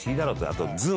あと。